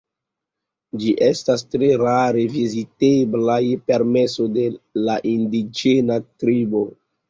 Ĝi estas tre rare vizitebla je permeso de la indiĝena tribo.